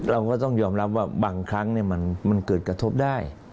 เราก็ต้องยอมรับว่าบางครั้งมันเกิดกระทบได้